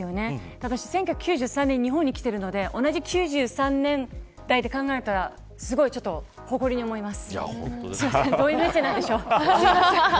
私、１９９３年に日本に来ているので同じ９３年代で考えたら誇りに思います。